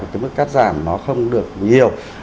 cái mức cắt giảm nó không được nhiều